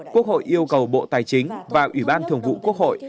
quốc hội yêu cầu bộ tài chính và ủy ban thường vụ quốc hội